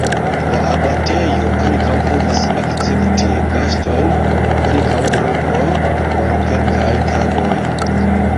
La abatejo ankaŭ povas akcepti gastojn (ankaŭ grupoj) por kelkaj tagoj.